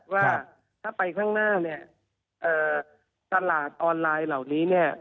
ว่าถ้าไปข้างหน้าเนี่ยตลาดออนไลน์เหล่านี้เนี่ย